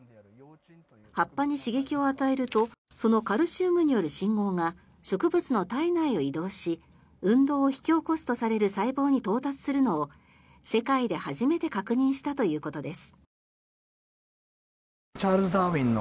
葉っぱに刺激を与えるとそのカルシウムによる信号が植物の体内を移動し運動を引き起こすとされる細胞に到達するのを世界で初めて確認したということです。